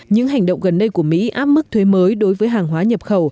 những hành động gần đây của mỹ áp mức thuế mới đối với hàng hóa nhập khẩu